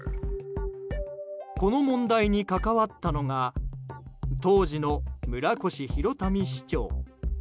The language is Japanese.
この問題に関わったのが当時の村越祐民市長。